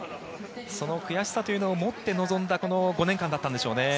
その悔しさを持って臨んだこの５年間だったんでしょう。